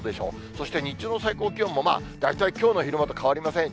そして日中の最高気温も、大体きょうの昼間と変わりません。